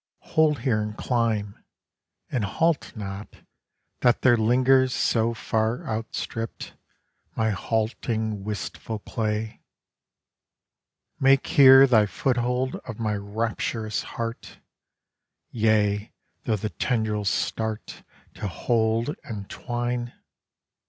Hold here and climb, and halt not, that there lingers So far outstripped, my halting, wistful clay. Make here thy foothold of my rapturous heart, Yea, though the tendrils start To hold and twine!